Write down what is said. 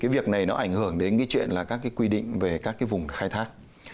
việc này ảnh hưởng đến các quy định về các vùng khai thác